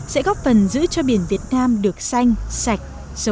sẽ góp phần giữ cho biển việt nam được xanh sạch dầu đen